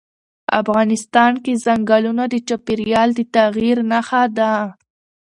افغانستان کې ځنګلونه د چاپېریال د تغیر نښه ده.